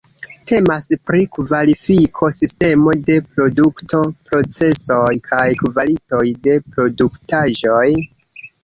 Temas pri kvalifiko-sistemo de produkto-procesoj kaj kvalitoj de produktaĵoj.